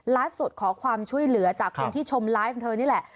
สดขอความช่วยเหลือจากคนที่ชมไลฟ์ของเธอนี่แหละ